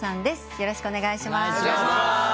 よろしくお願いします。